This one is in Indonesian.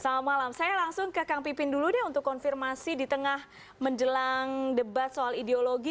selamat malam saya langsung ke kang pipin dulu deh untuk konfirmasi di tengah menjelang debat soal ideologi